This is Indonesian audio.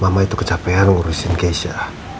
mama itu kecapean mengurusin kesya